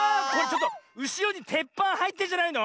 うしろにてっぱんはいってんじゃないの？